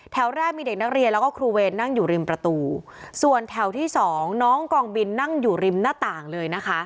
แถวแรกมีเด็กนักเรียนแล้วก็ครูเวรนั่งอยู่ริมประตูส่วนแถวที่สองน้องกองบินนั่งอยู่ริมหน้าต่างเลยนะคะ